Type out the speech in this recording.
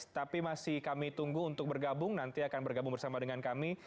tapi masih kami tunggu untuk bergabung nanti akan bergabung bersama dengan kami